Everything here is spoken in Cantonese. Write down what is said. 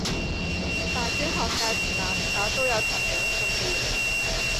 大專學界同攬炒都有同樣信念